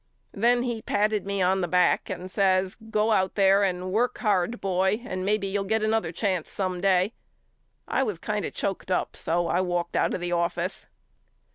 Then he patted me on the back and says Go out there and work hard boy and maybe you'll get another chance some day. I was kind of choked up so I walked out of the office.